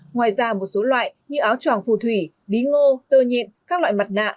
ngoài ra một số loại như áo tròn phù thủy bí ngô tơ nhịn các loại mặt nạ